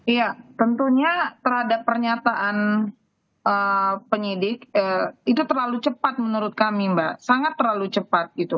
iya tentunya terhadap pernyataan penyidik itu terlalu cepat menurut kami mbak sangat terlalu cepat gitu